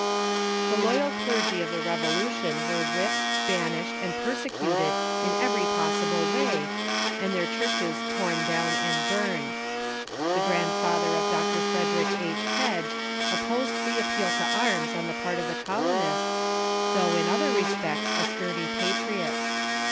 The loyal clergy of the Revolution were whipped, banished, and persecuted in every possible way, and their churches torn down and burned. The grandfather of Dr. Frederic 11. Hedge opposed the appeal to arms on the part of the colonists, though in other respects a sturdy patriot.